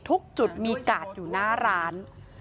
ทุกจุดมีกาดอยู่หน้าร้าน